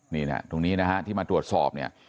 นี่นะตรงนี้นะฮะที่มาตรวจสอบเนี่ย